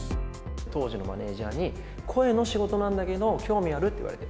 当時のマネージャーに、声の仕事なんだけど興味ある？って言われて。